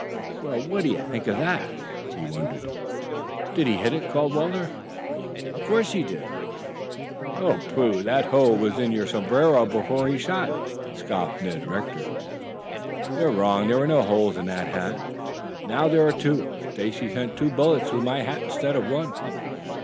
"Well, what do you think of that?" he wondered. "Did he hit it?" called Walter. "Of course he did." "Oh, pooh! That hole was in your sombrero before he shot," scoffed Ned Rector. "You are wrong. There were no holes in the hat. Now there are two. Stacy sent two bullets through my hat instead of one."